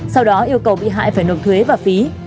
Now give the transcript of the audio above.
sau đó yêu cầu bị hại phải nộp thuế và phí